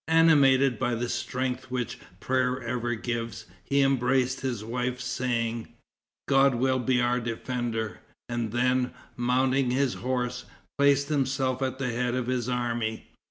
Animated by the strength which prayer ever gives, he embraced his wife, saying, "God will be our defender," and then, mounting his horse, placed himself at the head of his army.